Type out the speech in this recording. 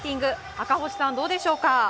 赤星さん、どうでしょうか。